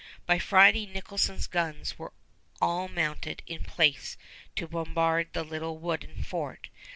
By Friday Nicholson's guns were all mounted in place to bombard the little wooden fort.